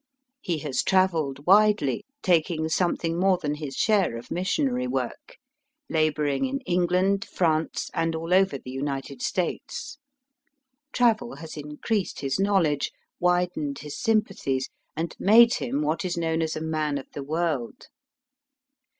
He has travelled widely, taking something more than his share of missionary work, labouring in England, France, and aU over the United States. Travel has increased his knowledge, widened his sympathies, and made him what is known as a man of the world.